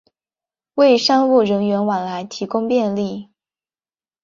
为商务人员往来提供便利